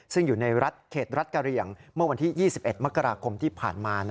ซึ่งอยู่ในเขตรัฐกะเหลี่ยงเมื่อวันที่๒๑มกราคมที่ผ่านมา